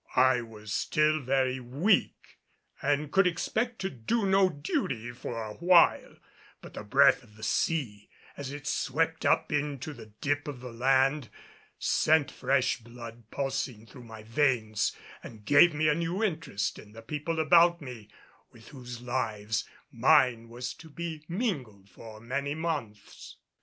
I was still very weak and could expect to do no duty for awhile, but the breath of the sea as it swept up into the dip of land, sent fresh blood pulsing through my veins and gave me a new interest in the people about me with whose lives mine was to be mingled for many months.